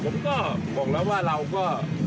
ผมก็บอกแล้วว่าเราก็